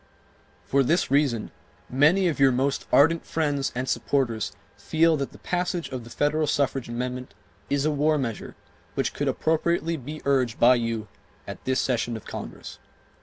For this reason many of your most ardent friends and supporters feel that the passage of the federal suffrage amendment is a war measure which could appropriately be urged by you at this session of Congress.